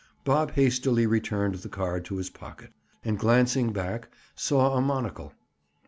Bob hastily returned the card to his pocket, and glancing back, saw a monocle.